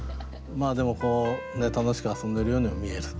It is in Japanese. まあでも楽しく遊んでるようにも見える。